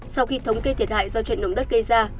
sau khi thống kê thiệt hại do trận động đất gây ra